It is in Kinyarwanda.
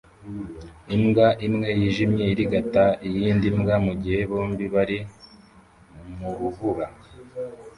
Imbwa imwe yijimye irigata iyindi mbwa mugihe bombi bari murubura